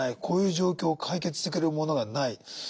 こういう状況解決してくれるものがない。